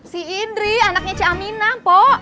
si indri anaknya cik aminah mpok